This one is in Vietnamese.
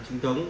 từ ngân hàng